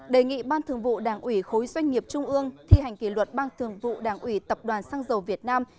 đề nghị ban thường vụ đảng ủy khối doanh nghiệp trung ương thi hành kỷ luật ban thường vụ đảng ủy tập đoàn xăng dầu việt nam